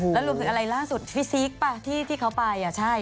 แล้วรู้ถึงอะไรล่าสุดฟิสิกส์ป่ะที่เขาไปอ่ะใช่